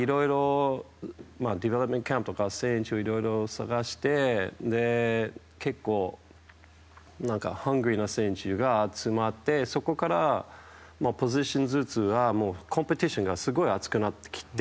ディベロッピングキャンプとか選手、いろいろ探して結構ハングリーな選手が集まってそこから、ポジションずつコンペティションがすごい熱くなってきて。